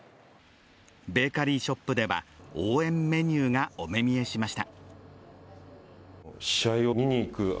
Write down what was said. ベーカリーショップでは、応援メニューがお目見えしました。